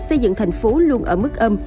xây dựng tp luôn ở mức âm